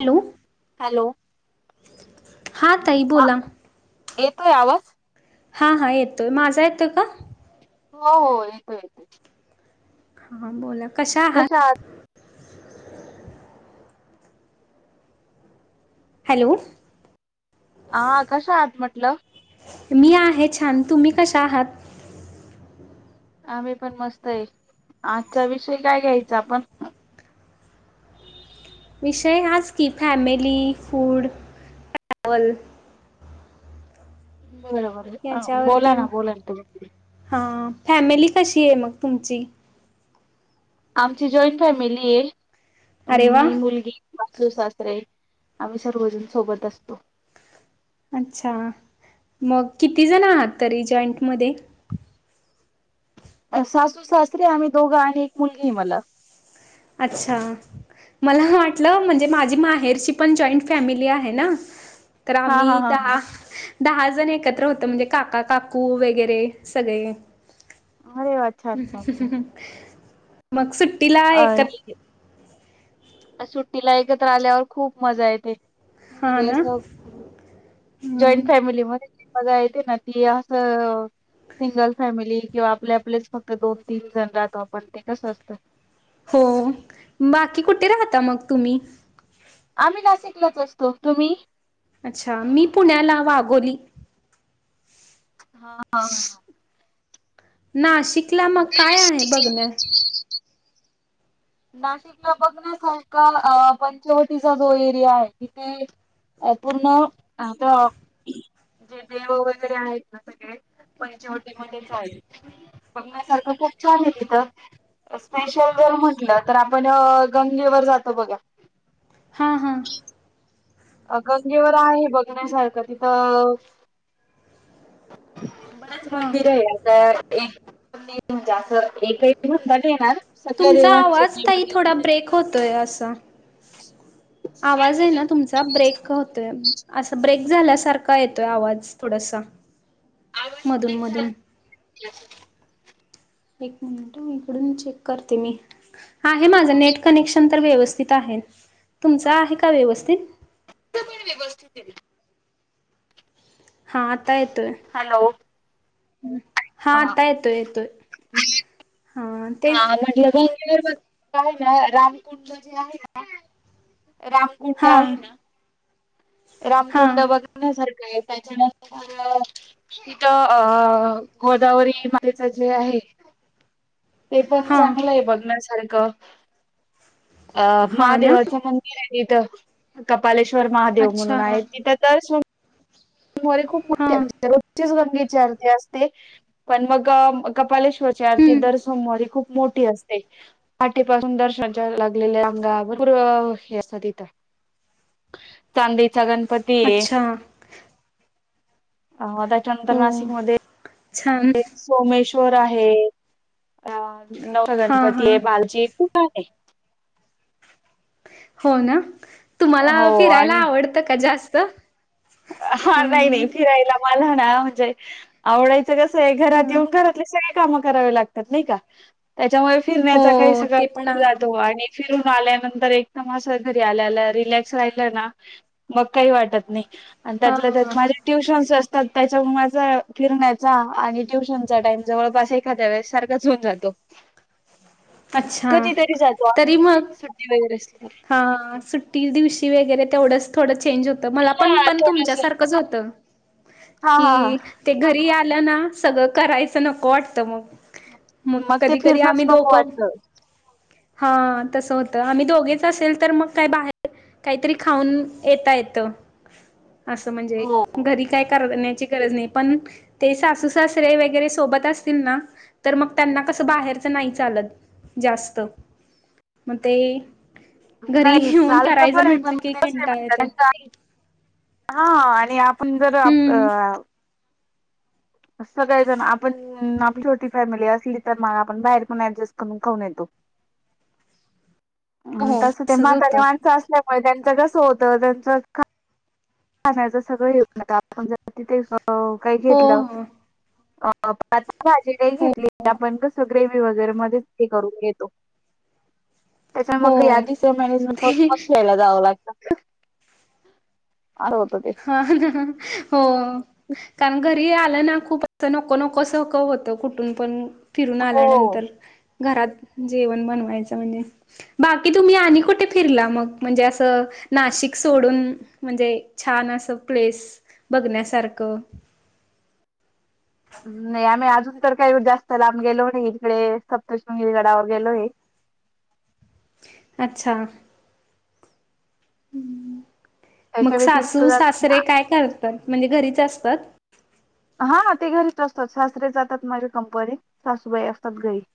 Hello hello. हा ताई हा बोला येतोय आवाज हा हा येतोय माझा येतो का हो हो येतो येतो हा बोला कशा आहात हॅलो हा कस आात म्हटलं मी आहे छान तुम्ही कशा आहात आम्ही पण मस्त आहे आजचा विषय काय घ्यायचा आपण विषय आज की फॅमिली फूड ट्रॅवल बरोबर याच्यावरती बोला ना बोला ना तु हां फॅमिली कशी आहे मग तुमची आमची जॉईंट फॅमिली आहे अरे वा मी मुलगी वासतू सास्रे आम्ही सर्वजण सोबत असतो अच्छा मग किती जण आहात तरी जॉईंट म अ सासू सासरीे आम्ही दोघा आणि एक मुलगी आहे मला अच्छा मला वाटलं म्हणजे माझी माहेरची पण जॉईंट फॅमिली आहे ना तर हा हा आम्ही हा. दहा दहा जण एकत्र होतो म्हणजे काका काकू वगैरे सगळे अरे वा! छान छान छान. मग सुट्टीला एक ह सुट्टीला एकत्र आल्यावर खूप मजा येते. े हा ना [unintelligible] जॉईंट हम्म. फॅमिली मध्ये. बघा येते ना ती असं सिंगल फॅमिली किंवा आपले, आपलेच फक्त दोन- तीन जण राहतो आपण ते कसं असतं. हो. बाकी कुठे राहता मग तुम्ही? आम्ही नाशिकलाच असतो. तुम्ही? अच्छा. मी पुण्याला वागोली. हा ह. नाशिकला ब मग [inaudible] काय आहे बघण्या नाशिकला बघण्या सारख, अ पंचवटीचा जो एरिया आहे तिथे अ पूर्ण आता जे देव वगैरे आहेत ना सगळे, पंच्यावटी मध्येच आहेत. बघण्यासारखं खूप छान आहे तिथं स्पेशल जर म्हटलं, तर आपण गंगेवर. जातो बघा. हा हा. अ गंगेवर आहे बघण्यासारखं तिथं बरंच हां मंदिर आहे. आता एक म्हणजे असं एकही दिवस [inaudible] येणार सकाळी तुमचा [inaudible] आवाज ताई थोडा ब्रेक होतोय असा आवाज आहे ना तुमचा ब्रेक होतोय. असं ब्रेक झाल्यासारखा येतोय, आवाज, थोडासा. आवाज मधून [inaudible] मधून झालं एक मिनिट हं इकडून चेक करते मी. आहे माझं, नेट कनेक्शन तर व्यवस् तुमचा आहे का व्यवस्थित? ते [inaudible] हा, आता येतोय. हॅलो हा. आता, येतोय- येतोय. हा म्हटलं, [inaudible] रामकुंड जे आहे ना, रामकुंड हा आहे ना, हा रामकुंड बघण्यासाठी त्याच्यानंतर तिथ अ गोदावरी माई जे आहे. [inaudible] ते पण हा चांगलंय बघण्यासारखं. अ हा ना. महादेवाचं मं [unintelligible] कपालेश्वर महादेव अच्छा म्हणून आहे तित तर [unintelligible] खूप हा मोटी रोजचीच गंगेची आरती असते, पण मग कपाले [unintelligible] आरती हम्म दर सोमवारी खूप मोटी असते पाहाटे पासून दर्शनाच्या लागलेल्या रांगा भरपूर हे असत तिथं. चांदीचा गणपती हाय. अच्छा अ त्याच्यानंतर हो. नाशिकमध्ये छान [unintelligible] सोमेश्वर आहे. अ [unintelligible] हा हा गणपती आहे [unintelligible] खूप आहे हो ना, तुम्हाला हो आणि फिरायला आवडत का? जास्त. हा नाही, हम्म नाही फिरायला मला ना, म्हणजे आवडायचं कस हाय घरात हम्म. येऊन घरातले सग काम करावी लागतात नाइ का? त्याच्यामुळे फिरण्याचा काही हो सगळा ते पण मूड आहे. जातो, आणि फिरून आल्यानंतर एकदम अस घरी आल्या- आल्या रिलॅक्स राहिलं ना, मग काही वाटत नाही. आणि हा त्यातल्या त्यात माझे ट्युशन्स असतात. त्याच्या त माझा फिरण्याचा आणि ट्युशनचा टाइम जवळपास एखाद्या वेळेस सारखाच होऊन जातो. अच्छा. कधीतरी जातो आम्ही, तरी मग सुट्टी वगैरे अस हा, आ सुट्टी दिवशी वेगेरे तेवढंच थोडंच चेंज होत मला पण. हा पण थोडस तुमच्या सारकच होत हा, हा, की हा ते घरी आ आले ना सगळं करायचं, नको वाटतं मग. मग ते कधी कधी फिरणंच आम्ही नको दोक वाटतं. हा तसं होतं. आम्ही दोगीच तसेल तर मग काय बाहेर काइतरी खाऊन येता येत असं म्हणजे हो. घरी काय [inaudible] गरज नाई पण ते सासू सासरे वैगेरे सोबत असतील ना तर मग त्यांना कस बाहेरच नाही चालत जास्त मते नाई नाई की कंटाळ येतोय. चाळीच [inaudible] हा आणि आपण जर आ हम्म [unintelligible] सगळेजण आपण आपली छोटी फॅमिली असली तर म आपण बाहेर पण ऍडजस्ट करून खाऊन येतो [inaudible] हो हो तस ते तसच होत म्हातारी माणसं असल्यामुळे त्यांचं कसं होतं त्यांच खाण्याच सगळं येऊन आपण जर तिथे अ काही हो घेतलं हो अ [unintelligible] आता भाजी नाही हो घेतली आपण कस ग्रेवी वगैरे मदेच ते करून गेतो त्याच्या हो मग या तिसऱ्या मेनेजमेंट ते खप मग ख्यायला जावं लागत हा हो कारण का [unintelligible] आलं ना खूप अस नको नको सक होत कुठून पण फिरून हो आल्यानंतर घरात जेवण बनवायचं मणजे बाकी तुम्ही आणि कुटे फिरला मग म्हणजे असं नाशिक सोडून म्हणजे छान असं प्लेस बघण्यासारक नाई आमी अजून तर काय जास्त लाब गेलो नाइ इकडे सप्तशृंगी गडावर गेलोय [unintelligible] अच्छा त्याच्या मग व्यतिरिक्त सासू जात- सासरे काय कर म्हणजे घरीच असतत हा ते घरीच असतात सासरे जातात माझे [unintelligible] सासूबाई असतात घरी [inaudible]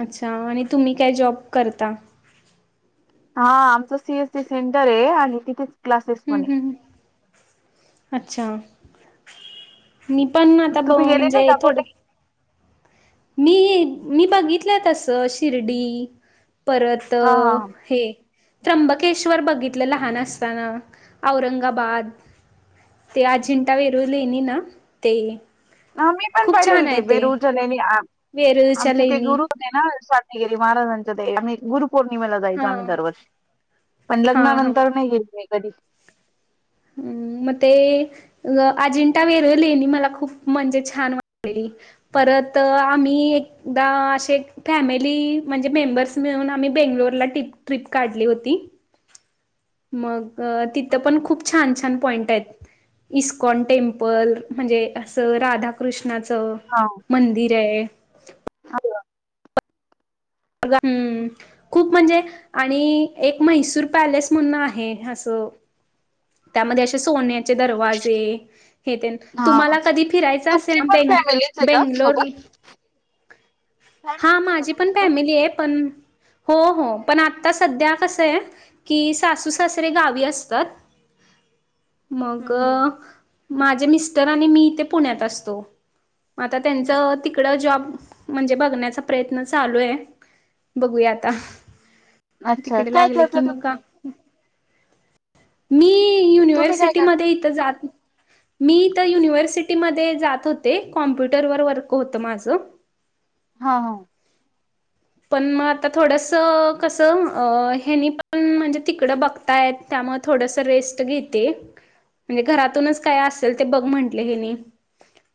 अच्छा आणि तुमी काय जॉब करता हा आमच सी एस सी सेंटरय आणि तिथेच क्लासेस हम्म पणये हम्म अच्छा मी पण आता [unintelligible] तुम्ही गेले म्हणजे नाही का थोड कुठे? [unintelligible] मी बघितलंय तस शिर्डी परत हा हा हे त्र्यंबकेश्वर बगीतलं लहान असतान औरंगाबाद ते अजिंटा वेरूळलेणी ना ते ह मी पण खूप पाहिलेले छान ते आहे वेरूळच्या लेणी वेरूळच्या आमचे ते लेणी गुरु होते ना गेली महाराजांच्या गु पौर्णिमेला जायचो हा आम्ही दरवर्षी पण हा हा लग्नानंतर नाही येल मी कधी ह हम्म मग ते अजिंठा वेरले मला खूप म्हणजे छान वाट पर तरत आम्ही एकदा असे फॅमिली म्हणजे मेंबर्स मिळून आम्ही बेंगलोरला टिरपप काढली होती मग तिथं पण खूप छान छान पॉइंट आहेत इस्कॉन टेमपल म्हणजे असं राधाकृष्ण कृष्णाचं मंदिर आहे अ म् खूप म्हणजे आणि एक म्हैसूर पॅलेस म्हणून आहे असं त्यामध्ये असे सोने द हा तुम्हाला कधी फिराय तुमची असेल पण फॅमिलीच आहे का बेंगलोर सोबत? हा फॅमिलीच आहे का माझी पण तुमची पण हो पण आ सध्या असं आहे की सासू सासरे गावी असतात मग हम्म. माझे मिस्टर आणि मी तेे पुण्यात असतो आता त्यांच तिकड जॉब म्हणजे बघण्याचा प्रयत्न चालू आहे बघूया आता अच्छा तिकडे काय लागले करता की तुम मग का मी तुम्ही काय करता? युनिव्हर्सिटीमध्ये इथं जात मी तर युनिव्हर्सिटीमध्ये जात होते कॉम्प्युटरवर वर्क होत माझं हा हा पण मग आता थोडस कस हेनी पण म्हणजे तिकड बघताय त्यामुळे थोडस रेस्ट घेते म्हणजे घरातूनच काय असेल ते बघ म्हंटले हे नाही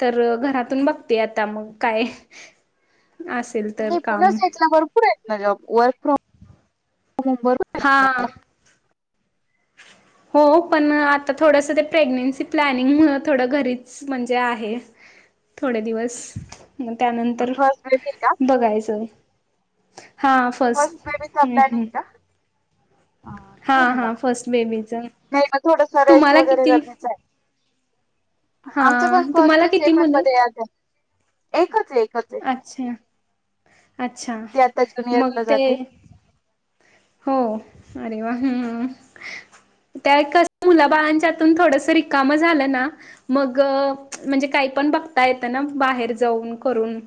तर घरातून बघते आता मग काय असेल तर नाही पुण्या काम साईडला भरपूर ना जॉब वर्क फ्रॉम होम भरपूर हा हो पण आता थोडंस ते प्रेग्नेन्सी प्लॅनिंग थोडं घरीच म्हणजे आहे थोडे दिवस म त्यानंतर फर्स्ट बेबी आहे का? बघायचं हा फर्स्ट फस्ट बेबीचा प्लॅनिंग का? हा छान आहे हा मग. फर्स्ट बेबीच नाही मग थोडंस रेस्ट तुम्हाला वगैरे किती गरजेचं आहे हा आमचं पण पोहचत तुम्हाला ते किती पण मुलं मध्ये एकच एक ते अच्छा अच्छा आता मग जुनियरला ते जाते हो अरे वा हम्म त्यास मुला बाळांच्यातून थोडस रिकाम झालं ना मग म्हणजे काय पण बघता येत ना बाहेर जाऊन करून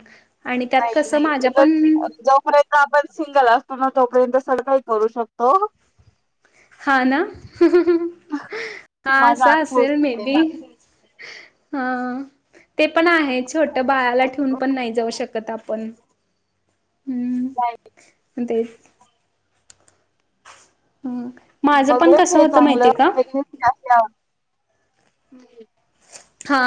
आणि त्यात नाही कसं नाही माझ्या पण उलट जोपर्यंत आपण सिंगल असतो ना तोपर्यंत सगळं काही करू शकतो हा ना हा माझा असं अनुभव असेल मे ते बी हा ते पण आहे छोट बाळाला ठेऊून पण नाही जाऊ शकत आपण का ते माझं बग पण कसं हे होतं चांगलं माहितीय का हा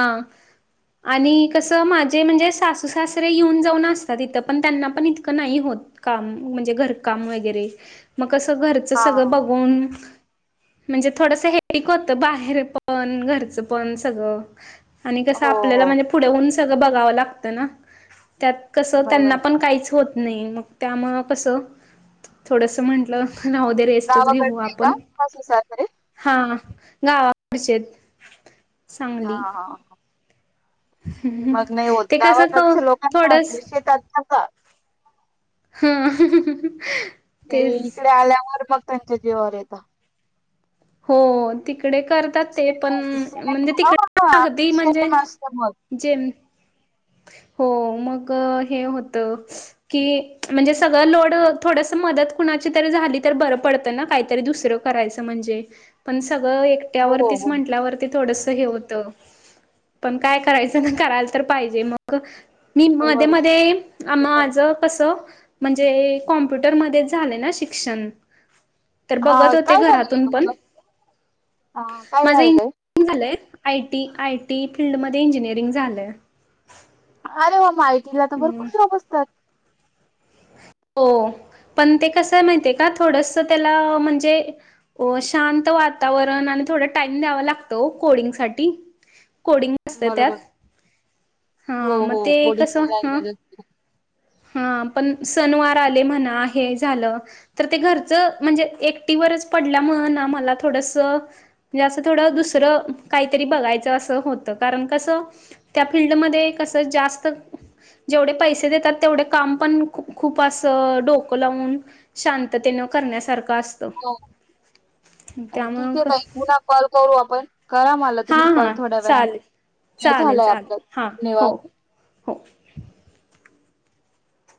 आणि कस माझे म्हणजे सासू सासरे येऊन जाऊन असतात तथं पण त्यांना पण इतकं नाही होत काम म्हणजे घरकाम वगैरे मग असं घरच हा सगळ बघून म्हणजे थोडस हेिक होतं बाहेर पण घरचं पण सगळं आणि कसं हो आपल्याला हो. म्हणजे पुढे होऊन सगळं बघावं लागतं ना त्यात कस बरोबर. त्यांना पण काहीच होत नाही मग त्यामुळं कसं थोडंसं म्हटलं हद्या रेस्टच घेऊ गावाकडची आहे का आपण का सुसारकडे? हा ना आडश हा हा मग नाही होत ते कसं क गावाकडच लोकां थोडस शेतात का हा ते इकडे आल्यावर मग त्यांच्या जीवावर येत हो त तिकडे करतात ते पण सेम म्हणजे सेम तिकडे हा अगदी म्हणजे सेम असत मग. जेम [inaudible] हो मग हे होत की म्हणजे सगळं लोड थोडस मदत होणा तरी झाली तर बरं पडत ना काहीतरी दुसरं करायचं म्हणजे पण सगळं हो एकट्यावरतीच हो. म्हटल्यावरती थोड हे होत पण काय करायचं करायला तर पाहिजे मग निम मध्ये बरोबर मध्ये आम माझ कसं म्हणजे कॉम्प्युटरमध्येध्ये झालं ना शिक्षण तर बघत हा होते काय झालेलं घरातून पण तुमचं? हा काय झाललंय आय टी आय टी फील्डमध्ये इंजिनिअरिंग झालंय अरे वा मायतीला आता हम्म भरपूर सोप असतात हो पण ते कस माहिित आहे का थोडस त्याला म्हणजे शांत वातावरण आणि डाम द्या लातोडंगसाठी कोडिंग असते त्यात बरोबर हो हा मग हो ते कस कोडिंगची ह लँग्वेज असते. हा पण सनवार आले म्हणा झालं तर ते घरच म्हणजेट खरच पडल्या म्ह आमला थोडस म्हणजे असं थोडं दुसरं काहीतरी बघायचं असं होत कारण कस त्या फील्ड मधे कस जास्त जेवढे पैसे देतात तेवढे काम पण खूप डोकं लावून शांततेन करण्यासारखं पास्तव अ ठीक आहे तई पुन्हा कॉल करू आपण करा मला तुम्ही हां कॉल हां थोड्या वेळ चालेल काय चालेल झालंय चालेल आपलं हां धन्यवाद हो हो